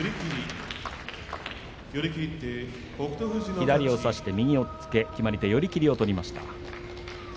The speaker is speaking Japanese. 左を差して、右押っつけ決まり手、寄り切りを取りました。